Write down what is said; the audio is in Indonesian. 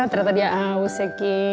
ternyata dia aus ya ki